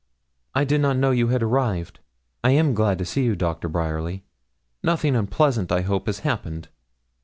'I did not know you had arrived. I am glad to see you, Doctor Bryerly. Nothing unpleasant, I hope, has happened?'